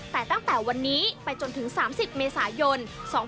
แต่ตั้งแต่วันนี้ไปจนถึง๓๐เมษายน๒๕๖๒